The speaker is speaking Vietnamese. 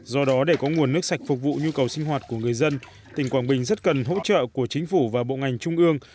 do đó để có nguồn nước sạch phục vụ nhu cầu sinh hoạt của người dân tỉnh quảng bình rất cần hỗ trợ của chính phủ và bộ ngành trung ương